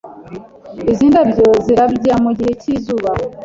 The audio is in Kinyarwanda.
Izi ndabyo zirabya mugihe cyizuba.